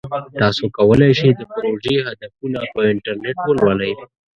تاسو کولی شئ د پروژې هدفونه په انټرنیټ ولولئ.